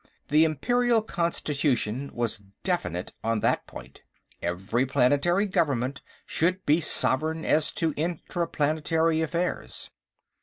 The Imperial Constitution was definite on that point; every planetary government should be sovereign as to intraplanetary affairs.